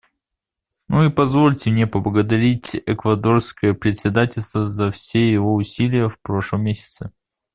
Ну и позвольте мне поблагодарить эквадорское председательство за все его усилия в прошлом месяце.